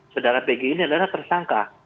saudara pg ini adalah tersangka